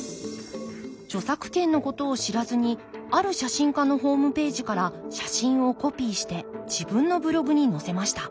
著作権のことを知らずにある写真家のホームページから写真をコピーして自分のブログに載せました。